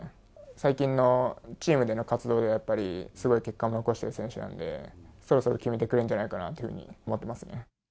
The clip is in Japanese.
最近のチームでの活動では、やっぱりすごい結果を残している選手なので、そろそろ決めてくれるんじゃないかなというふうに思っていますね。